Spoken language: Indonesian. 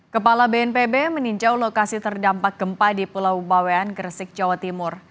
kepala bnpb meninjau lokasi terdampak gempa di pulau bawean gresik jawa timur